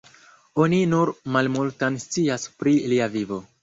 Oni nur malmultan scias pri lia vivo.